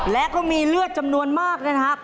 และก็มีเลือดจำนวนมากนะครับ